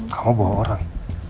kamu bawa orang